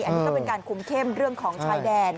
อันนี้ก็เป็นการคุมเข้มเรื่องของชายแดน